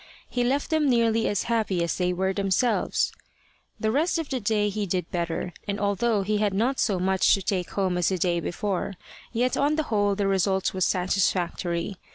He left them nearly as happy as they were themselves. The rest of the day he did better, and, although he had not so much to take home as the day before, yet on the whole the result was satisfactory.